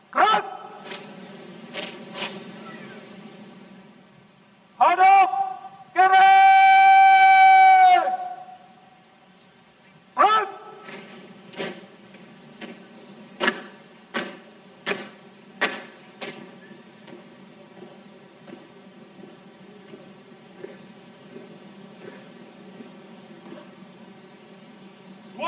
kembali ke tempat